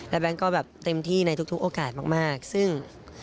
และแบงค์ก็แบบเต็มที่ในทุกโอกาสมากซึ่ง